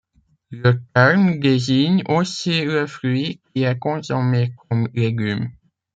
Le terme désigne aussi le fruit qui est consommé comme légume.